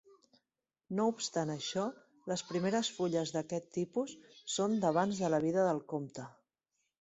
No obstant això, les primeres fulles d'aquest tipus són d'abans de la vida del comte.